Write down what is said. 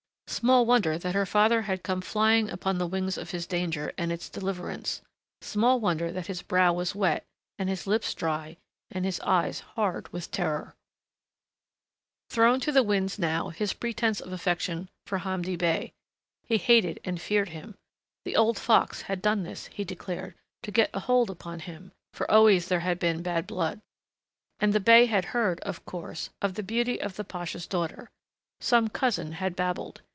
Small wonder that her father had come flying upon the wings of his danger and its deliverance, small wonder that his brow was wet and his lips dry and his eyes hard with terror. Thrown to the winds now his pretense of affection for Hamdi Bey! He hated and feared him. The old fox had done this, he declared, to get a hold upon him, for always there had been bad blood. And the bey had heard, of course, of the beauty of the pasha's daughter. Some cousin had babbled....